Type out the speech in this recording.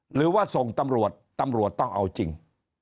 หรือว่าส่งตำรวจตำรวจต้องเอาจริง